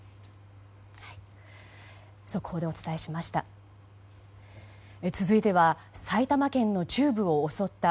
速報でお伝えしました。